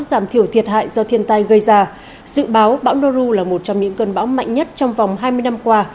giảm thiểu thiệt hại do thiên tai gây ra dự báo bão noru là một trong những cơn bão mạnh nhất trong vòng hai mươi năm qua